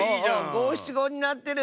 ごしちごになってる！